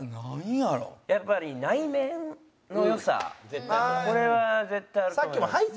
やっぱりこれは絶対あると思います。